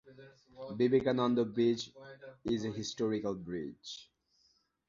বিবেকানন্দ সেতু একটি ঐতিহাসিক সেতু।